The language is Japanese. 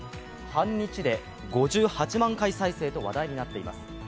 半日で５８万回再生と話題になっています。